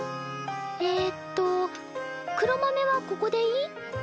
えっと黒豆はここでいい？